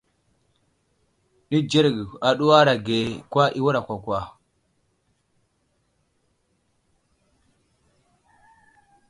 Nenzərge aduwar age kwa i wura kwakwa.